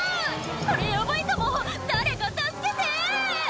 「これヤバいかも誰か助けて！」